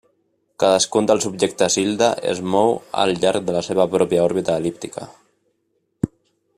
Cadascun dels objectes Hilda es mou al llarg de la seva pròpia òrbita el·líptica.